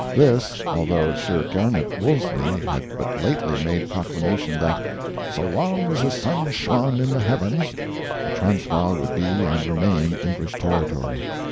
This, although Sir Garnet Wolseley had but lately made proclamation that "so long as the sun shone in the heavens," the Transvaal would be and remain English territory.